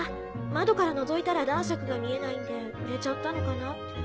窓からのぞいたら男爵が見えないんで売れちゃったのかなって。